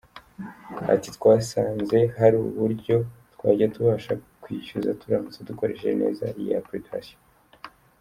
Ati “Twasanze hari uburyo twajya tubasha kwishyuza turamutse dukoresheje neza iyi application.